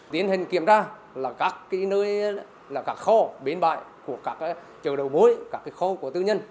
tiến hành kiểm tra các kho bến bại của các trường đầu bối các kho của tư nhân